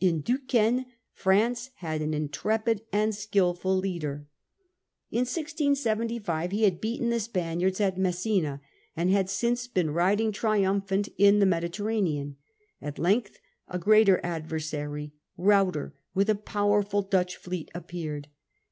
In Duquesne France had an in Medi trepid and skilful leader. In 1675 he had beaten c ' the Spaniards at Messina, and had since been riding triumphant in the Mediterranean. At length agreater adversary, Ruyter, with a powerful Dutch fleet, appeared.